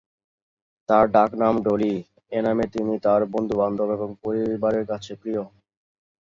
তার ডাকনাম "ডলি", এ নামে তিনি তার বন্ধুবান্ধব এবং পরিবারের কাছে প্রিয়।